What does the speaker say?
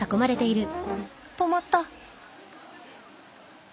止まった。